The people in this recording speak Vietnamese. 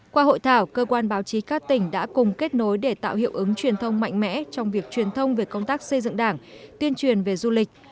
qua hội thảo cơ quan báo chí các tỉnh đã cùng kết nối để tạo hiệu ứng truyền thông mạnh mẽ trong việc truyền thông về công tác xây dựng đảng tuyên truyền về du lịch